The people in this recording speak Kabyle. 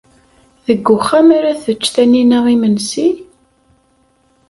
Deg uxxam ara tečč Taninna imensi?